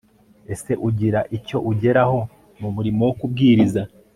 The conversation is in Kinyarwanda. ese ugira icyo ugeraho mu murimo wo kubwiriza